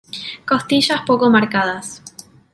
Costillas pocas marcadas.